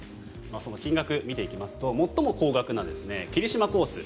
その金額、見ていきますと最も高額な霧島コース